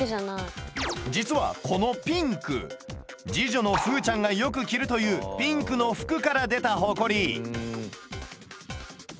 実はこのピンク次女の風羽ちゃんがよく着るというピンクの服から出たホコリ！